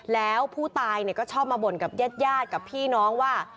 แล้วผู้ตายก็ชอบมาบ่นกับญาติกับพี่น้องว่า